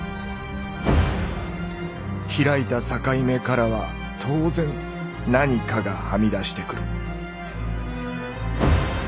ひらいた「境目」からは当然「何か」がはみ出してくる。